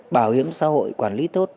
bảo hiểm xã hội quản lý tốt